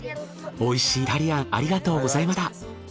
美味しいイタリアンありがとうございました。